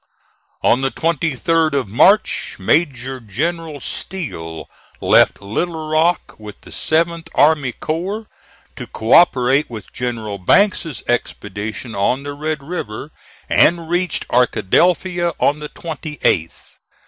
On the 23d of March, Major General Steele left Little Rock with the 7th army corps, to cooperate with General Banks's expedition on the Red River, and reached Arkadelphia on the 28th.